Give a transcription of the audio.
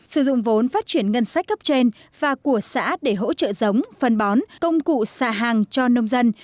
sử dụng vốn phát triển ngân sách cấp trên và của xã để hỗ trợ giống phân bón công cụ xạ hàng cho nông dân